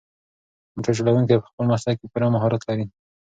موټر چلونکی په خپل مسلک کې پوره مهارت لري.